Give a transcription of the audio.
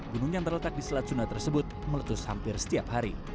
gunung yang terletak di selat sunda tersebut meletus hampir setiap hari